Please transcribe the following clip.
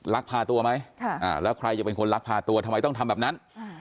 ลักพาตัวไหมแล้วใครจะเป็นคนลักพาตัวทำไมต้องทำแบบนั้น